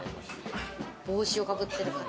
帽子をかぶってる。